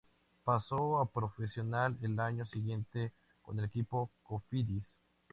Pasó a profesional el año siguiente con el equipo Cofidis.